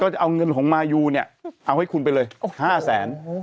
จะเอาเงินของมายูเนี่ยเอาให้คุณไปเลย๕แสน